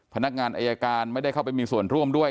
พนักงานอายการไม่ได้เข้าไปมีส่วนร่วมด้วย